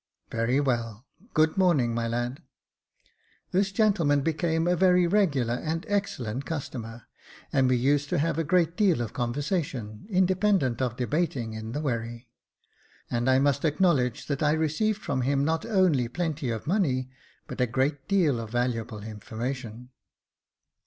"Very well; good morning, my lad." This gentleman became a very regular and excellent customer, and we used to have a great deal of conversation, independent of debating, in the wherry ; and I must ac knowledge that I received from him not only plenty of money, but a great deal of valuable information.